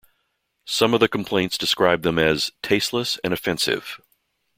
Some of the complaints described them as "tasteless and offensive".